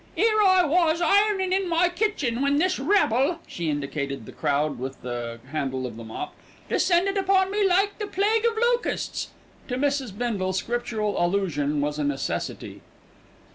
"'Ere was I ironin' in my kitchen when this rabble," she indicated the crowd with the handle of the mop, "descended upon me like the plague of locusts." To Mrs. Bindle, scriptural allusion was a necessity.